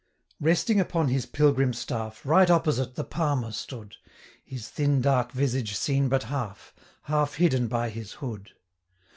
Resting upon his pilgrim staff, 80 Right opposite the Palmer stood; His thin dark visage seen but half, Half hidden by his hood.